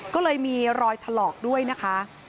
ก็เลยมีรอยถลอกด้วยนะคะ